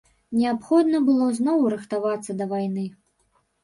Неабходна было зноў рыхтавацца да вайны.